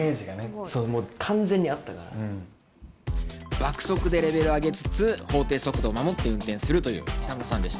爆速でレベルを上げつつ法定速度を守って運転するという北村さんでした。